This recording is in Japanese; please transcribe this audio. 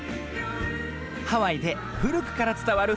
ハワイでふるくからつたわる